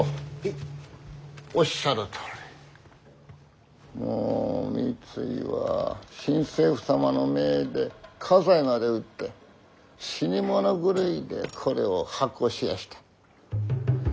おっしゃるとおり三井は新政府様の命で家財まで売って死に物狂いでこれを発行しました。